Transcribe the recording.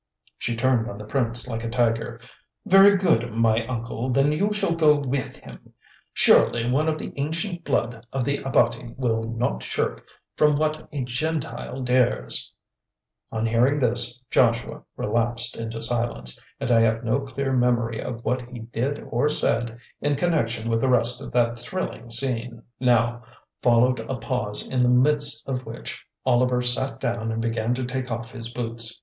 She turned on the Prince like a tiger. "Very good, my uncle, then you shall go with him. Surely one of the ancient blood of the Abati will not shirk from what a 'Gentile' dares." On hearing this Joshua relapsed into silence, and I have no clear memory of what he did or said in connection with the rest of that thrilling scene. Now followed a pause in the midst of which Oliver sat down and began to take off his boots.